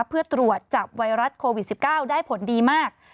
เพื่อตรวจจับไวรัสโควิด๑๙ได้ผลดีมาก